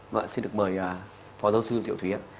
vâng xin được mời phó giáo sư diệu thúy ạ